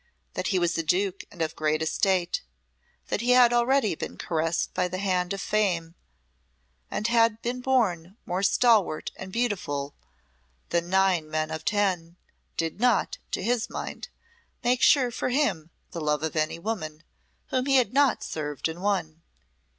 That he was a Duke and of great estate, that he had already been caressed by the hand of Fame and had been born more stalwart and beautiful than nine men of ten, did not, to his mind, make sure for him the love of any woman whom he had not served and won.